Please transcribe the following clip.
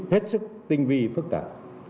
hết sức tinh vi phức tạp